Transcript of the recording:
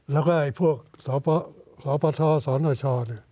แล้วก็พวกศภทศภช